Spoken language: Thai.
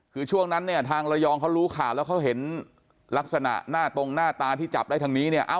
คือช่วงนั้นเนี่ยทางระยองเขารู้ข่าวแล้วเขาเห็นลักษณะหน้าตรงหน้าตาที่จับได้ทางนี้เนี่ย